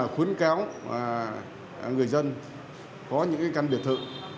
khuyến cáo người dân có những căn biệt thự